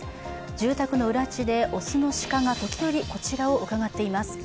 住宅の裏地で雄の鹿が、時折こちらを伺っています。